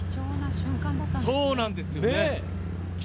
そうなんですよね。